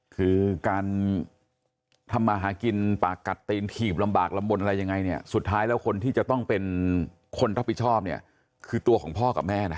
คือการทำมาหากินปากกัดตีนถีบลำบากลำบลอะไรยังไงเนี่ยสุดท้ายแล้วคนที่จะต้องเป็นคนรับผิดชอบเนี่ยคือตัวของพ่อกับแม่นะ